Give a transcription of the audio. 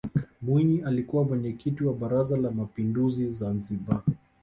mwinyi alikuwa mwenyekiti wa baraza la mapinduzi zanzibar